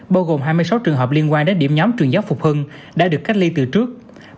bao gồm hai mươi sáu trường hợp liên quan đến điểm nhóm truyền giáo phục hưng đã được cách ly từ trước